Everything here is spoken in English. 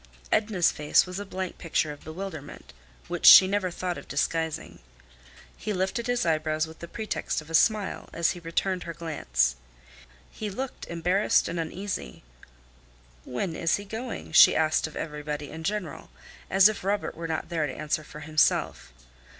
Edna's face was a blank picture of bewilderment, which she never thought of disguising. He lifted his eyebrows with the pretext of a smile as he returned her glance. He looked embarrassed and uneasy. "When is he going?" she asked of everybody in general, as if Robert were not there to answer for himself.